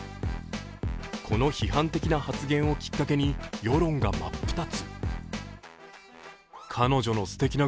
この批判的な発言をきっかけに世論が真っ二つ。